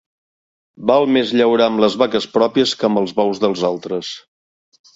Val més llaurar amb les vaques pròpies que amb els bous dels altres.